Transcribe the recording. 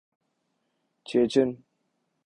چیچن